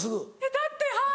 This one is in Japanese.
だってはい。